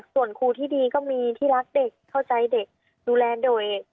ส่วนครูที่ดีก็มีที่รักเด็กเข้าใจเด็กดูแลโดย